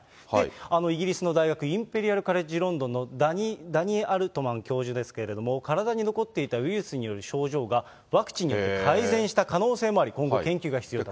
イギリスの大学、インペリアル・カレッジ・ロンドンのダニー・アルトマン教授ですけれども、体に残っていたウイルスによる症状が、ワクチンによって改善した可能性もあり、今後、研究が必要だと。